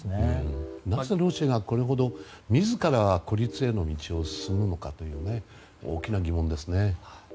なぜロシアがこれほど自ら孤立への道を進むのかという大きな疑問ですね。